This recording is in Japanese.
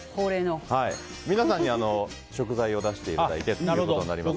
皆さんに食材を出していただいてということになります。